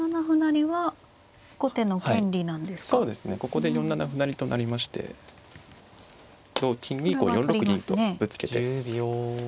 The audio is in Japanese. ここで４七歩成と成りまして同金に４六銀とぶつけて。